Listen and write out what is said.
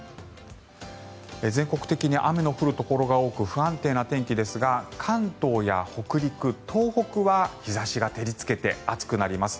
全国的に雨の降るところが多く不安定な天気ですが関東や北陸、東北は日差しが照りつけて暑くなります。